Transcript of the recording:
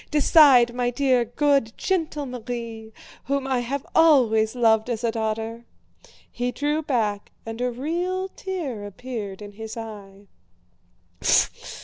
Decide, my dear, good, gentle Marie, whom I have always loved as a daughter!" He drew back and a real tear appeared in his eye.